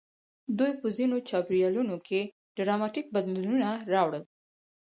دوی په ځینو چاپېریالونو کې ډراماتیک بدلونونه راوړل.